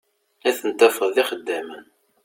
Ad ten-tafeḍ d ixeddamen.